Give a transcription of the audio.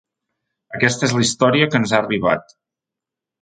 Aquesta és la història que ens ha arribat.